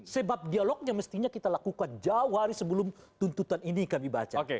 sebab dialognya mestinya kita lakukan jauh hari sebelum tuntutan ini kami baca